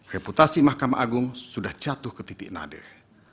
reputasi mahkamah agung sudah jatuh ke titik nadir